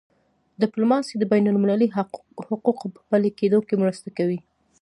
ډیپلوماسي د بینالمللي حقوقو په پلي کېدو کي مرسته کوي.